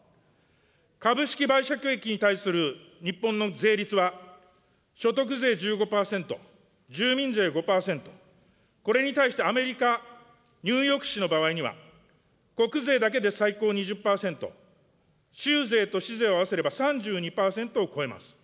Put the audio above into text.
株式売却益に対する日本の税率は所得税１５％、住民税５％、これに対してアメリカ・ニューヨーク市の場合には、国税だけで最高２０％、州税と市税を合わせると３２％を超えます。